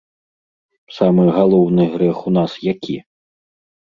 Самы галоўны грэх у нас які?